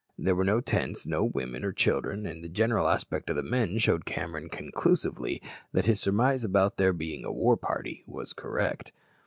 There were no tents, no women or children, and the general aspect of the men showed Cameron conclusively that his surmise about their being a war party was correct.